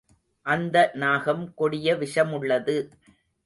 அந்த நாகம் கொடிய விஷமுள்ளது.